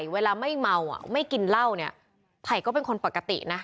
เวลาไม่เมาอ่ะไม่กินเหล้าเนี่ยไผ่ก็เป็นคนปกตินะ